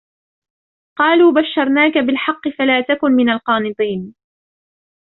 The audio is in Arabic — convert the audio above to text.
قَالُوا بَشَّرْنَاكَ بِالْحَقِّ فَلَا تَكُنْ مِنَ الْقَانِطِينَ